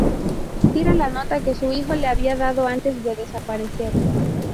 Tira la nota que su hijo le había dado antes de desaparecer.